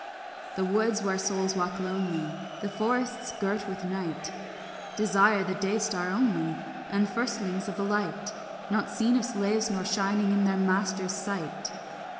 The woods where souls walk lonely, The forests girt with night, Desire the day star only And firstlings of the light Not seen of slaves nor shining in their masters' sight.